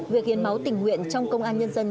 việc hiến máu tình nguyện trong công an nhân dân